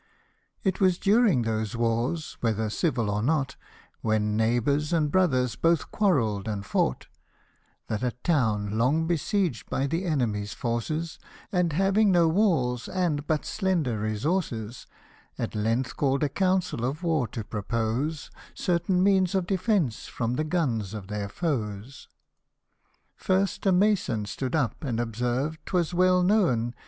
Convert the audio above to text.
It was during those wars, whether civil or not, When neighbours and brothers both quarrell'd and fought, 92 That a town long besieged by the enemy's forces, And having no walls, and but slender resources, At length called a council of war to propose Certain means of defence from the guns of their foes. First a mason stood up, and observed, 'twas well known.